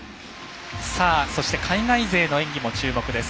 そして、海外勢の演技も注目です。